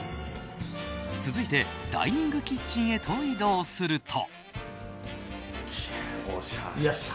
続いて、ダイニングキッチンへと移動すると。